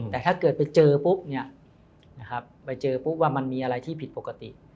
แต่ถ้าเกิดไปเจอปุ๊บไปเจอปุ๊บว่ามันมีอะไรที่ผิดปกติ